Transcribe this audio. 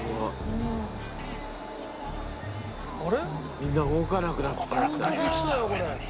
「みんな動かなくなって」